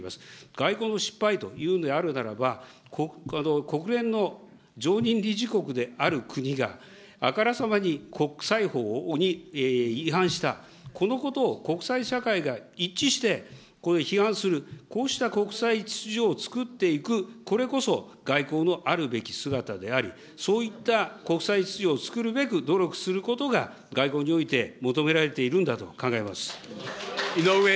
外交の失敗というのであるならば、国連の常任理事国である国が、あからさまに国際法に違反した、このことを国際社会が一致してこれ批判する、こうした国際秩序を作っていく、これこそ外交のあるべき姿であり、そういった国際秩序を作るべく努力することが、外交において求められているんだと考えます。